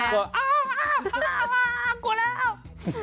ก็อ้าวอ้าวอ้าวอ้าวกลัวแล้ว